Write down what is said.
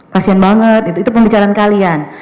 kasian banget itu pembicaraan kalian